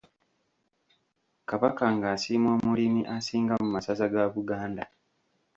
Kabaka ng'asiima omulimi asinga mu masaza ga Buganda.